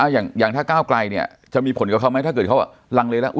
อย่างถ้าก้าวไกลเนี่ยจะมีผลกับเขาไหมถ้าเกิดเขาลังเลแล้ว